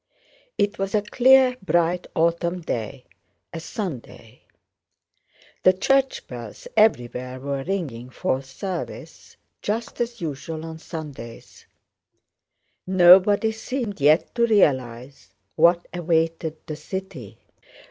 It was a clear bright autumn day, a Sunday. The church bells everywhere were ringing for service, just as usual on Sundays. Nobody seemed yet to realize what awaited the city.